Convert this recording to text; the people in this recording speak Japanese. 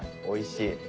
おいしい。